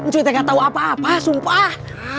cucunya nggak tahu apa apa sumpah